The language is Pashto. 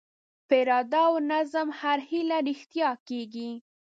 په اراده او نظم هره هیله رښتیا کېږي.